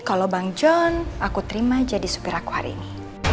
kalau bang john aku terima jadi supir aku hari ini